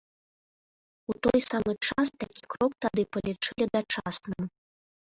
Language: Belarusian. У той самы час такі крок тады палічылі дачасным.